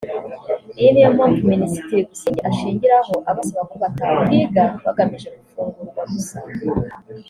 Iyi ni yo Mpamvu Minisitiri Busingye ashingiraho abasaba ko batakwiga bagamije gufungurwa gusa